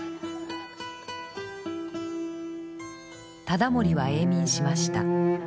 忠盛は永眠しました。